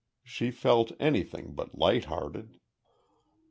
She felt anything but lighthearted.